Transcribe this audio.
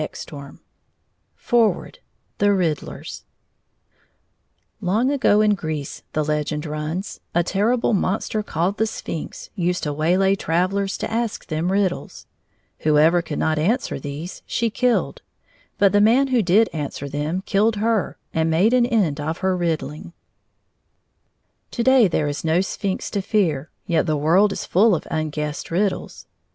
_ THE WOODPECKERS FOREWORD: THE RIDDLERS Long ago in Greece, the legend runs, a terrible monster called the Sphinx used to waylay travelers to ask them riddles: whoever could not answer these she killed, but the man who did answer them killed her and made an end of her riddling. To day there is no Sphinx to fear, yet the world is full of unguessed riddles.